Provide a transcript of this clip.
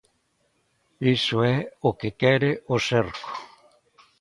Iso é o que quere o cerco.